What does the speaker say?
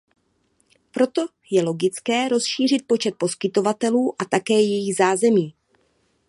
Proto je logické rozšířit počet poskytovatelů a také jejich zázemí.